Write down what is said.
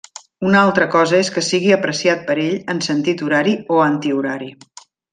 Una altra cosa és que sigui apreciat per ell en sentit horari o antihorari.